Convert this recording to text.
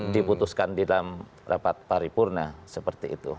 diputuskan di dalam rapat paripurna seperti itu